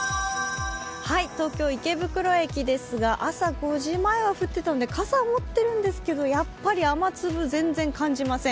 東京・池袋駅ですが朝５時前は降っていたので傘を持ってるんですが、やっぱり雨粒、全然感じません。